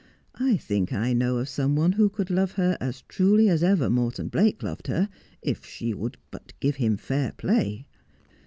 ' I think I know of some one who could love her as truly as ever Morton Blake loved her, if she would but give him fair play.'